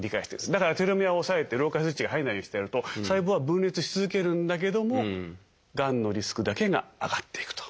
だからテロメアを抑えて老化スイッチが入んないようにしてやると細胞は分裂し続けるんだけどもがんのリスクだけが上がっていくと。